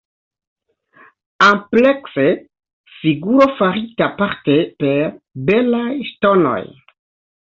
Amplekse, figuro farita parte per belaj ŝtonoj".